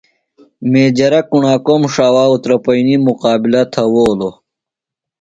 میجرہ کُݨاکوم ݜاوا اُترپئینی مُقابِلہ تھوؤلوۡ۔